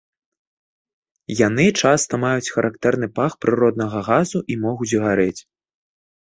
Яны часта маюць характэрны пах прыроднага газу, і могуць гарэць.